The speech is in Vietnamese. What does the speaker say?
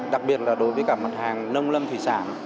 đặc biệt là đối với cả mặt hàng nông lâm thủy sản